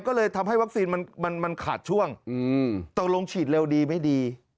ก็เลยทำให้วัคซีนมันมันมันขาดช่วงอืมต้องลงฉีดเร็วดีไม่ดี